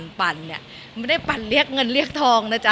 ปั่นเนี่ยไม่ได้ปั่นเรียกเงินเรียกทองนะจ๊